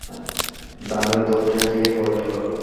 ডানের দরজা দিয়ে প্রবেশ করো।